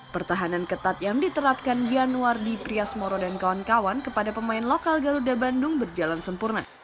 pertahanan ketat yang diterapkan yanuardi priasmoro dan kawan kawan kepada pemain lokal garuda bandung berjalan sempurna